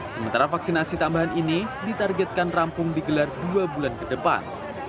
sementara vaksinasi tambahan ini ditargetkan rampung digelar dua bulan ke depan